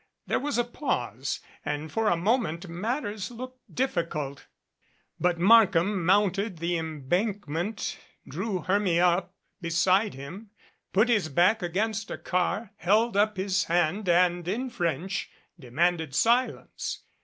There was a pause and for a moment mat ters looked difficult. But Markham mounted the embank ment, drew Hermia up beside him, put his back against a car, held up his hand and in French demanded silence.